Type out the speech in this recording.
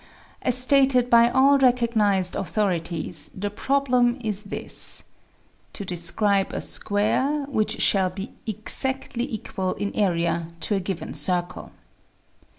As stated by all recognized authorities, the problem is this : To describe a square which shall be exactly equal in area to a given circle.